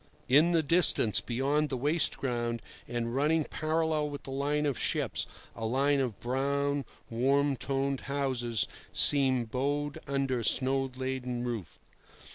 In the distance, beyond the waste ground, and running parallel with the line of ships, a line of brown, warm toned houses seemed bowed under snow laden roofs.